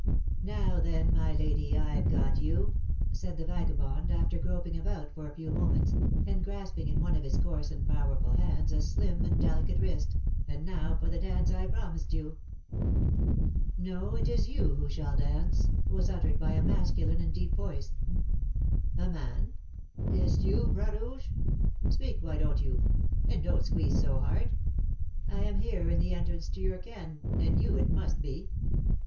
"Now, then, my lady, I've got you!" said the vagabond, after groping about for a few moments, and grasping in one of his coarse and powerful hands a slim and delicate wrist; "and now for the dance I promised you." "No, it is you who shall dance!" was uttered by a masculine and deep voice. "A man! Is't you, Bras Rouge? Speak, why don't you? and don't squeeze so hard. I am here in the entrance to your 'ken,' and you it must be."